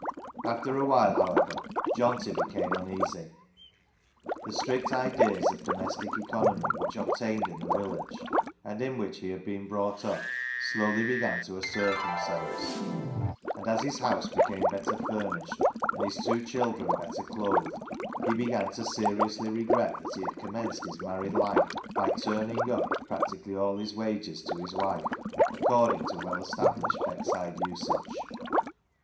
After a while, however, Johnty became un easy. The strict ideas of domestic economy whcih obtained in the village, and in which he had been brought up, slowly began to assert themselves, and as his house became better furnished, and his two children better clothed, he began to seriously regret that he had commenced his married life by " turn ing up " practically all his wages to his wife according to well established Beckside usage.